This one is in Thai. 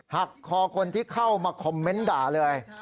หักคอคนที่เข้ามาคอมเมนต์ด่าเลย